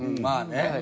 まあね。